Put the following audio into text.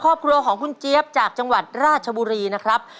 ครอบครัวของคุณเจี๊ยบจากจังหวัดราชบุรีนะครับ